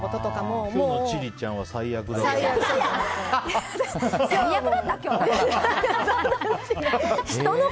今日の千里ちゃんは最悪だったとか。